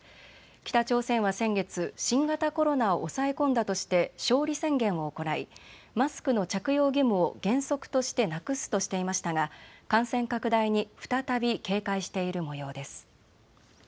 北朝鮮は先月、新型コロナを抑え込んだとして勝利宣言を行いマスクの着用義務を原則としてなくすとしていましたが感染拡大に再び警戒しているもようです。